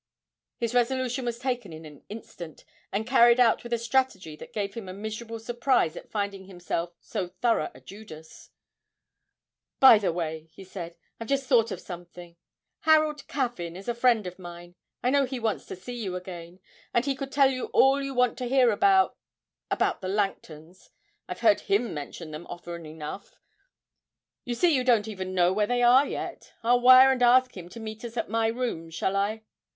His resolution was taken in an instant, and carried out with a strategy that gave him a miserable surprise at finding himself so thorough a Judas. 'By the way,' he said, 'I've just thought of something. Harold Caffyn is a friend of mine. I know he wants to see you again, and he could tell you all you want to hear about about the Langtons, I've heard him mention them often enough; you see you don't even know where they are yet. I'll wire and ask him to meet us at my rooms, shall I?'